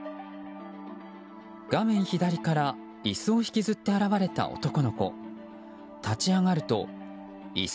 画面左から椅子を引きずって現れた男の子。